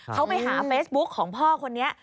เขาไปหาเฟซบุ๊คของพ่อคนนี้